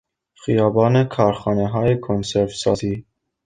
خیابان کارخانههای کنسرو سازی